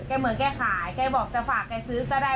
เหมือนแกขายแกบอกจะฝากแกซื้อก็ได้